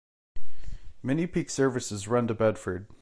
Many peak services run to Bedford.